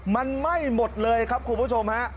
มันไหม้หมดเลยครับคุณผู้ชมฮะ